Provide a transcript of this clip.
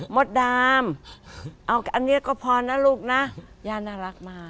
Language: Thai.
มดดำเอาอันนี้ก็พอนะลูกนะย่าน่ารักมา